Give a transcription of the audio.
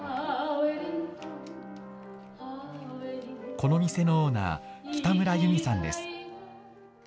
この店のオーナー、北村ゆみさんです。